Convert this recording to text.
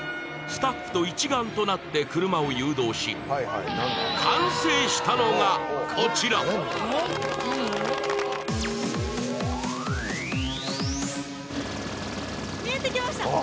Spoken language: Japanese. スタッフと一丸となって車を誘導しこちら見えてきました